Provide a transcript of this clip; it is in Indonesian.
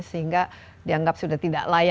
sehingga dianggap sudah tidak layak